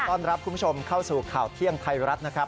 ต้อนรับคุณผู้ชมเข้าสู่ข่าวเที่ยงไทยรัฐนะครับ